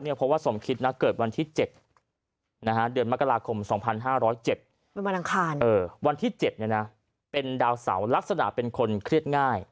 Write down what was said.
เพราะว่าสมคิดเกิดวันที่๗เดือนมกราคม๒๕๐๗เป็นวันอังคารวันที่๗เป็นดาวเสาลักษณะเป็นคนเครียดง่าย